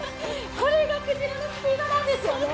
これがくじらのスピードなんですよね。